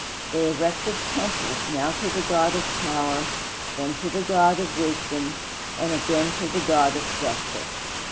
They erected temples, now to the God of Power, then to the God of Wisdom, and again to the God of Justice.